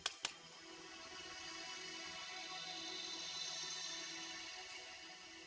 ya sudah kalau gitu kita harus cepat cepat kabur dari sini kang